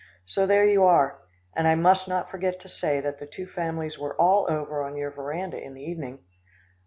So there you are and I must not forget to say that the two families were all over on your veranda in the evening."